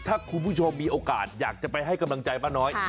ถ้าคุณผู้ชมมีโอกาสอยากจะไปให้กำลังใจป้าน้อย